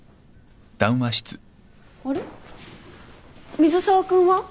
水沢君は？